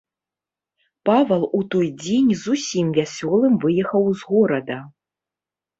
Павал у той дзень зусім вясёлым выехаў з горада.